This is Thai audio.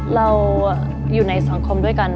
เราอยู่ในสังคมด้วยกัน